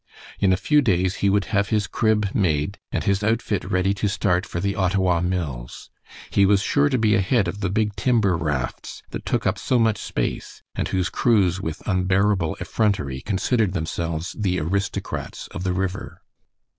In a few days he would have his crib made, and his outfit ready to start for the Ottawa mills. He was sure to be ahead of the big timber rafts that took up so much space, and whose crews with unbearable effrontery considered themselves the aristocrats of the river.